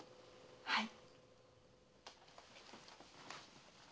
はい。